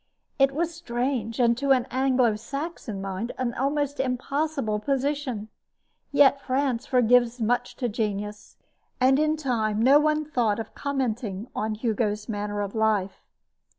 It was a strange and, to an Anglo Saxon mind, an almost impossible position; yet France forgives much to genius, and in time no one thought of commenting on Hugo's manner of life.